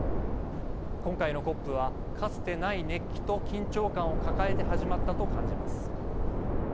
今回のＣＯＰはかつてない熱気と緊張感を抱えて始まったと感じます。